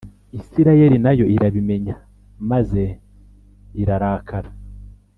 isirayeli na yo irabimenya maze irrarakara